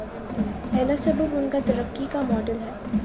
پہلا سبب ان کا ترقی کاماڈل ہے۔